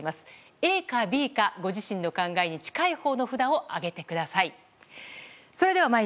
ＡかＢか、ご自身の考えに近いほうの札を挙げてください。